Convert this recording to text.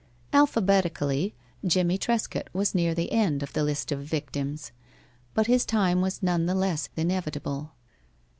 Alphabetically Jimmie Trescott was near the end of the list of victims, but his time was none the less inevitable.